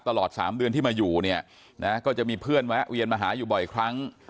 ตลอด๓เดือนที่มาอยู่เนี่ยนะก็จะมีเพื่อนแวะเวียนมาหาอยู่บ่อยครั้ง